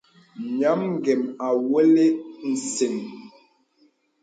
Ǹyɔ̄m ngəm à wɔ̄lə̀ nsəŋ.